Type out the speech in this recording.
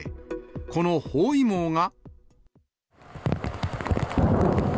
この包囲網が。